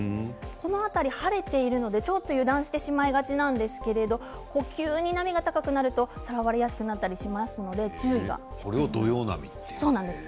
晴れているので、ちょっと油断してしまいがちなんですが急に波が高くなるとさらわれやすくなったりしますので注意が必要です。